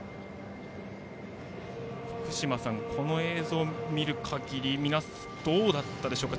福島さん、この映像を見る限りどうだったでしょうか。